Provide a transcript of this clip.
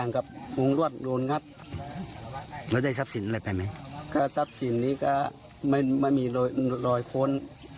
ก็ทรัพย์สินนี้ก็ไม่มีรอยคน